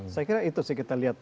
saya kira itu sih kita lihat